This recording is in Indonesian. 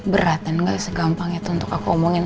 berat dan gak segampang itu untuk aku omongin